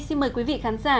xin mời quý vị khán giả